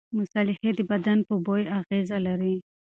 مصالحې د بدن په بوی اغېزه لري.